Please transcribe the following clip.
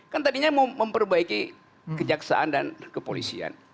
kan tadinya mau memperbaiki kejaksaan dan kepolisian